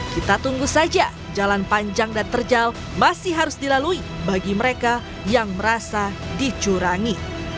kita tunggu saja jalan panjang dan terjal masih harus dilalui bagi mereka yang merasa dicurangi